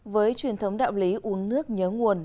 với truyền thống đạo lý uống nước nhớ nguồn